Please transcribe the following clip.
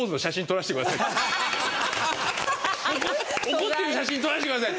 怒ってる写真撮らせてください。